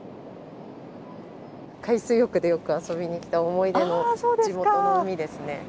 海水浴でよく遊びに来た思い出の地元の海ですね。